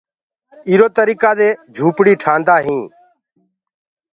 اِرو تريڪآ دي جُھوپڙي تيآر هوجآندي هي۔